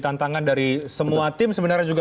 tantangan dari semua tim sebenarnya juga